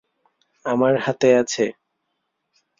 আমার হাতে আছে।